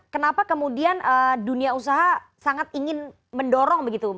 kenapa kemudian dunia usaha sangat ingin mendorong begitu